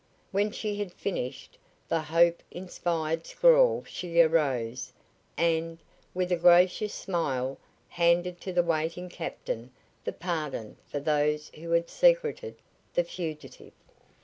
When she had finished the hope inspired scrawl she arose and, with a gracious smile, handed to the waiting captain the pardon for those who had secreted the fugitive.